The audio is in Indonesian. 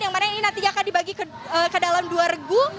yang mana ini nantinya akan dibagi ke dalam dua regu